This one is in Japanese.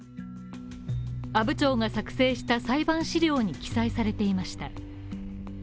阿武町が作成した裁判資料に記載されていました。